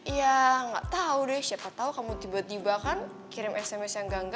ya gak tau deh siapa tau kamu tiba tiba kan kirim sms yang gangga